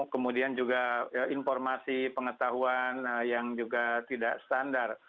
kemudian juga informasi pengetahuan yang juga tidak standar